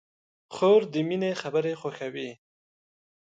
خور د مینې خبرې خوښوي.